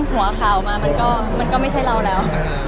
หัวข่าวมามันก็ไม่ใช่เราแล้ว